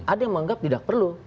ada yang menganggap tidak perlu